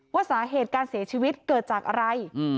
ว่าสาเหตุการเสียชีวิตเกิดจากอะไร